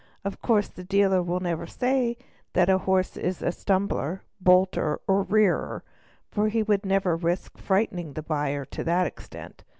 Of course the dealer will never say that the horse is a stumbler, bolter, or rearer, for he would never risk frightening the buyer to that extent.